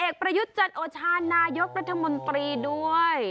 พลเอกประยุจจรโอชาลนายกรัฐมนตรีด้วย